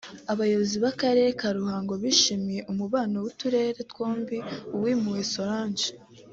Abayobozi b’Akarere ka Ruhango bishimira umubano w’uturere twombi Uwimpuhwe Solange